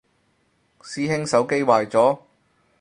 師兄手機壞咗？